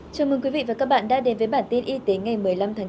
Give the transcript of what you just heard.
chào mừng quý vị và các bạn đã đến với bản tin y tế ngày một mươi năm tháng bốn